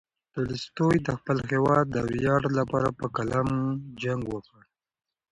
تولستوی د خپل هېواد د ویاړ لپاره په قلم جنګ وکړ.